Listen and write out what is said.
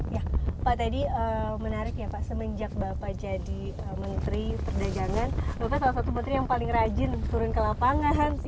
ya pak tadi menarik ya pak semenjak bapak jadi menteri perdagangan bapak salah satu menteri yang paling rajin turun ke lapangan